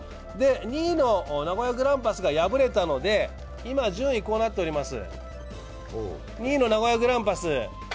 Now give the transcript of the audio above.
２位の名古屋グランパスが敗れたので、今順位こうなっております。